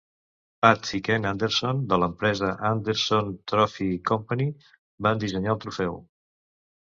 Pat i Ken Anderson, de l'empresa Anderson Trophy Company, van dissenyar el trofeu.